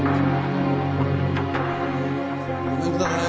ごめんください。